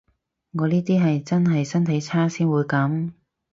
我呢啲係真係身體差先會噉